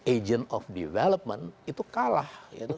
agent of development itu kalah